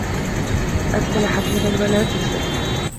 أرسل حكيما ولا توصه